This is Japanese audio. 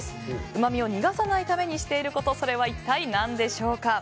うまみを逃がさないためにしていることは何でしょうか？